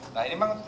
nah ini memang